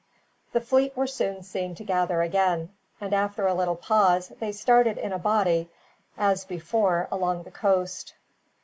The fleet were soon seen to gather again, and after a little pause they started in a body, as before, along the coast.